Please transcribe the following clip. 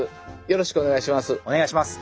よろしくお願いします。